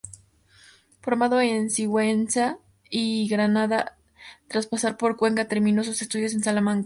Formado en Sigüenza y Granada, tras pasar por Cuenca terminó sus estudios en Salamanca.